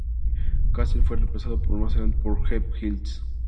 Kessel fue reemplazado más adelante por Herb Ellis.